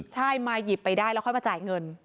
ใช่มาหยิบไปได้แล้วค่อยมาจ่ายเงิน